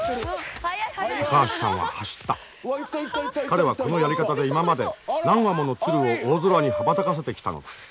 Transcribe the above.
彼はこのやり方で今まで何羽ものツルを大空に羽ばたかせてきたのだ。